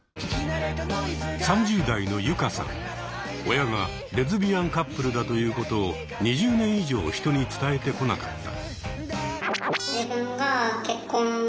親がレズビアンカップルだということを２０年以上人に伝えてこなかった。